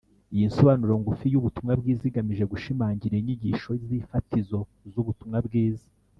Iyi nsobanuro ngufi y'Ubutumwa Bwiza igamije gushimangira inyigisho z'ifatizo z'Ubutumwa Bwiza